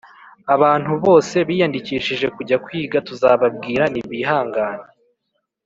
Abantu bose biyandikishije kujya kwiga tuzababwira nibihangane